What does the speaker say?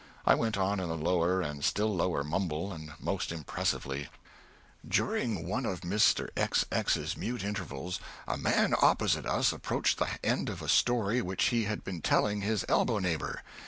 I went on in a lower and still lower mumble, and most impressively "During one of Mr. X. X.'s mute intervals, a man opposite us approached the end of a story which he had been telling his elbow neighbor.